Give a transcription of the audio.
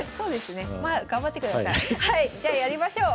じゃあやりましょう。